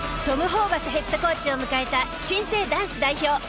トム・ホーバスヘッドコーチを迎えた新生男子代表。